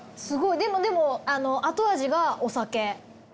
すごいでもでも後味がお酒。